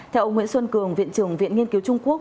theo ông nguyễn xuân cường viện trưởng viện nghiên cứu trung quốc